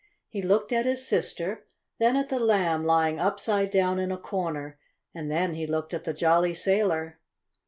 He looked at his sister, then at the Lamb lying upside down in a corner, and then he looked at the jolly sailor.